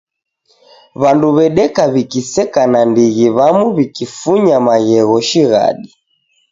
Wandu wedeka wikiseka na ndighi wamu wikifunya maghegho shighadi